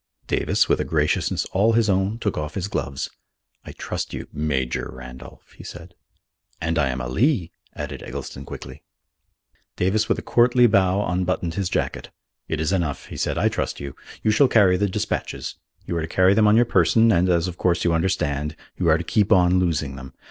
Davis, with a graciousness all his own, took off his gloves. "I trust you, Major Randolph," he said. "And I am a Lee," added Eggleston quickly. Davis with a courtly bow unbuttoned his jacket. "It is enough," he said. "I trust you. You shall carry the despatches. You are to carry them on your person and, as of course you understand, you are to keep on losing them.